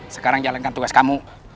sekarang jalankan tugas kamu